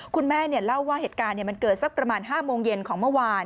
คุณแม่เล่าว่าเหตุการณ์มันเกิดสักประมาณ๕โมงเย็นของเมื่อวาน